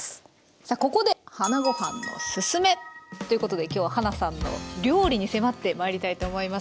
さあここでということで今日ははなさんの料理に迫ってまいりたいと思います。